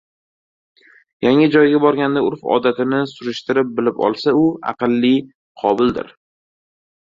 – yangi joyga borganda urf-odatini surishtirib bilib olsa u aqlli, qobildir;